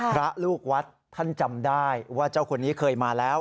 พระลูกวัดท่านจำได้ว่าเจ้าคนนี้เคยมาแล้ว